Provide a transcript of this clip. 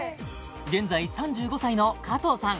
現在３５歳の加藤さん